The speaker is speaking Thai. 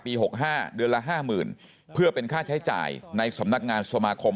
๖๕เดือนละ๕๐๐๐เพื่อเป็นค่าใช้จ่ายในสำนักงานสมาคม